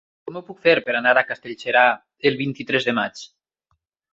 Com ho puc fer per anar a Castellserà el vint-i-tres de maig?